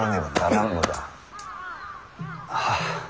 はあ。